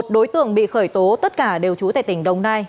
một mươi một đối tượng bị khởi tố tất cả đều trú tại tỉnh đồng nai